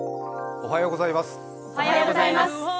おはようございます。